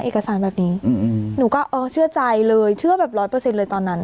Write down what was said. เอกสารแบบนี้หนูก็อ๋อเชื่อใจเลยเชื่อแบบร้อยเปอร์เซ็นต์เลยตอนนั้น